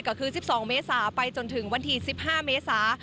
ก็คือ๑๒เมษาไปจนถึงวันที่๑๕เมษา